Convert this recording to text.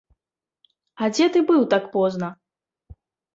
А дзе ты быў так позна?